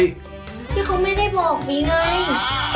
ที่เค้าไม่ได้บอกปี๊ไง